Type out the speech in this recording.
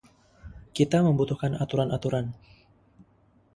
Kita membutuhkan aturan-aturan.